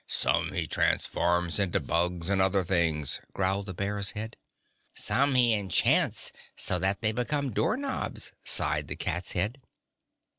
"Some he transforms into bugs and other things," growled the bear's head. "Some he enchants, so that they become doorknobs," sighed the cat's head.